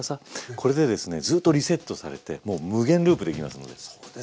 これでですねずっとリセットされてもう無限ループできますので。